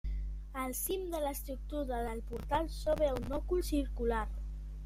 Al cim de l'estructura del portal s'obre un òcul circular.